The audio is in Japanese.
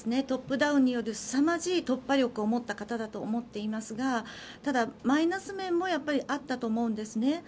トップダウンによるすさまじい突破力を持った方だと思いますがただ、マイナス面もやっぱりあったと思うんですね。